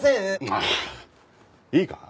はあいいか？